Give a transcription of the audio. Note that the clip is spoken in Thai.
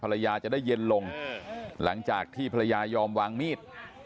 ภรรยาจะได้เย็นลงหลังจากที่ภรรยายอมวางมีด